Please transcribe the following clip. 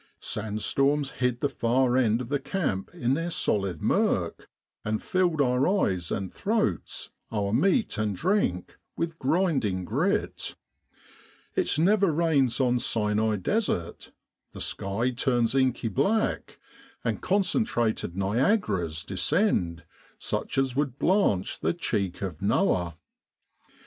Sand storms hid the far end of the camp in their solid murk, and filled our eyes and throats, our meat and drink, with grinding grit. It never rains on Sinai Desert; the sky turns inky black, and concentrated Niagaras descend such as would blanch the cheek of Noah.